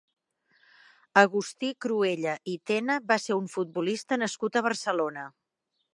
Agustí Cruella i Tena va ser un futbolista nascut a Barcelona.